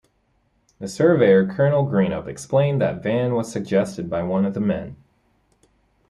The surveyor, Colonel Greenup, explained that "Van" was suggested by one of the men.